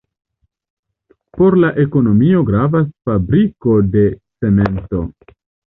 Por la ekonomio gravas fabriko de cemento.